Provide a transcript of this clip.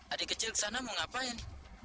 adik kecil ke sana mau ngapain